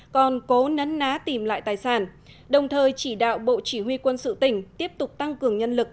còn cố nén ná tìm lại tài sản đồng thời chỉ đạo bộ chỉ huy quân sự tỉnh tiếp tục tăng cường nhân lực